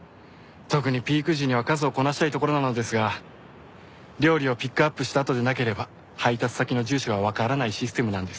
特にピーク時には数をこなしたいところなのですが料理をピックアップしたあとでなければ配達先の住所がわからないシステムなんです。